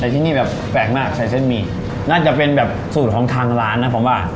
แต่ที่นี่แบบแปลกมากใส่เส้นหมี่น่าจะเป็นแบบสูตรของทางร้านนะผมว่า